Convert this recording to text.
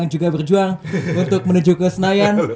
yang juga berjuang untuk menuju ke senayan